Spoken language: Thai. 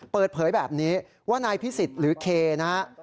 เปิดเผยแบบนี้ว่านายพิศิษฐ์หรือเคนะครับ